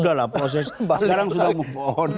sudahlah proses sekarang sudah move on